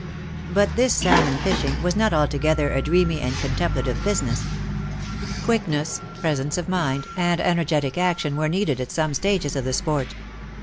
But this salmon fishing was not altogether a dreamy and contemplative business. Quickness, presence of mind, and energetic action were needed at some stages of the sport.